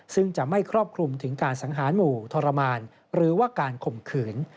ซึ่งจะไม่ครอบคลุมถึงการสังหารหมู่ทรมานหรือว่าการข่มขืน